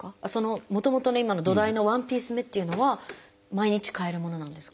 もともとの今の土台のワンピース目っていうのは毎日替えるものなんですか？